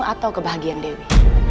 atau kebahagiaan dewi